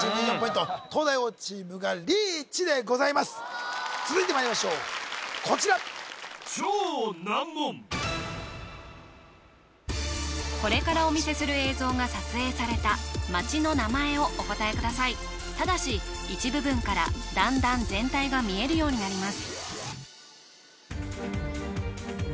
東大王チームがリーチでございます続いてまいりましょうこちらこれからお見せする映像が撮影された街の名前をお答えくださいただし一部分から段々全体が見えるようになります